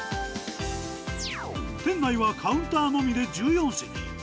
店内はカウンターのみで１４席。